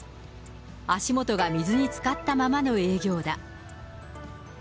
足元が水につかったままの営業だ。